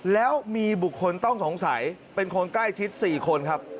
แล้วมีบุคคลต้องสงสัยเป็นคนใกล้ชิด๔คนครับ